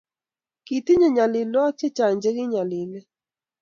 Kitinyei nyalilwogik chechang chegiyalile